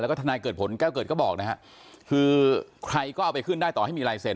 แล้วก็ทนายเกิดผลแก้วเกิดก็บอกนะฮะคือใครก็เอาไปขึ้นได้ต่อให้มีลายเซ็น